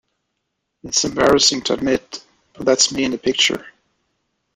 It's embarrassing to admit, but that's me in the picture.